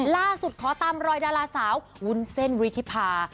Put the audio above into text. ล่าสุดขอตามรอยดาราสาววุ้นเส้นวิธีพา